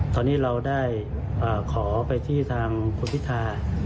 ตอนนี้เราได้ขอไปที่ทางคุณพิธา